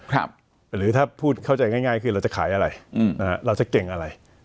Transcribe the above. หรือถ้าพูดเข้าใจง่ายคือเราจะขายอะไรเราจะเก่งอะไร